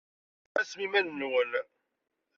Ɛasem iman-nwen.